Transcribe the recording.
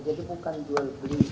jadi bukan jual beli